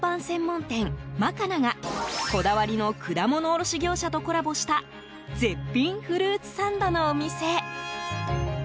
専門店マカナがこだわりの果物卸業者とコラボした絶品フルーツサンドのお店。